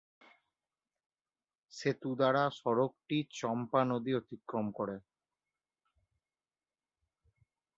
সেতু দ্বারা সড়কটি চম্পা নদী অতিক্রম করে।